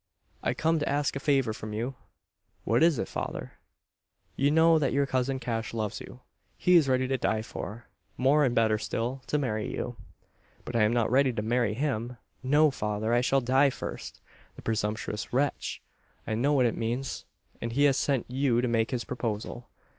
"I come to ask a favour from you." "What is it, father?" "You know that your cousin Cash loves you. He is ready to die for more and better still, to marry you." "But I am not ready to marry him. No, father; I shall die first. The presumptuous wretch! I know what it means. And he has sent you to make this proposal!